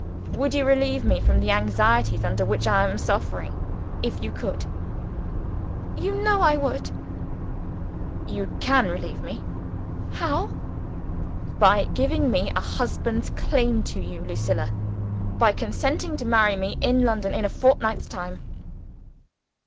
"Would you relieve me from the anxieties under which I am suffering, if you could?" "You know I would!" "You can relieve me." "How?" "By giving me a husband's claim to you, Lucilla by consenting to marry me in London, in a fortnight's time."